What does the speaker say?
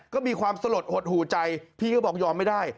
ก็มีความสลดหดหูใจพี่ก็บอกยอมไม่ได้